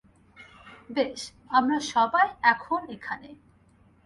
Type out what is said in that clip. বেশ, আমরা সবাই এখন এখানে।